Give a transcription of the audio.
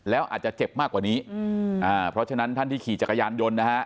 แล้วอาจจะเจ็บมากกว่านี้เพราะฉะนั้นท่านที่ขี่จักรยานยนต์นะฮะ